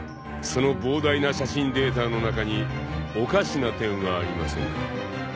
［その膨大な写真データの中におかしな点はありませんか？］